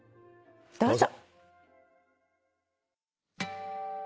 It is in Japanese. どうぞ。